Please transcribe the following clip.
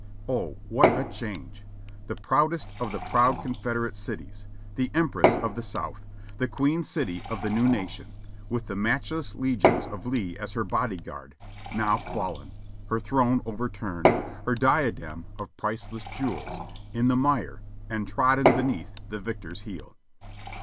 Oh, what a change ! The proudest of the proud Confederate cities ! The Empress of the South! The Queen City of the New Nation! with the matchless legions of Lee as her body guard, now fallen, her throne overturned, her diadem of priceless jewels in the mire and trodden beneath the victor's heel.